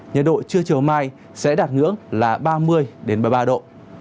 nhiệt độ chưa chiều mai sẽ đạt ngưỡng là ba mươi đến ba mươi ba độ